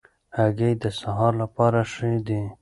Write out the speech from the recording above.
هګۍ د سهار لپاره ښې دي.